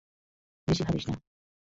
বেশি ভাবিস না।